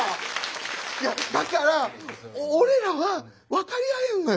いやだから俺らは分かり合えるのよ。